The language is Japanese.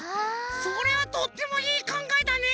それはとってもいいかんがえだね！